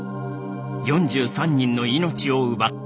４３人の命を奪った。